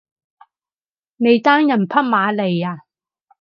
你單人匹馬嚟呀？